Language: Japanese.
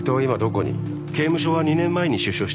刑務所は２年前に出所していました。